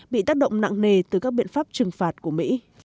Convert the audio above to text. bị tác động nặng nề từ các biện pháp trừng phạt của mỹ